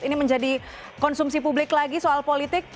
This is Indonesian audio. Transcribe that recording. ini menjadi konsumsi publik lagi soal politik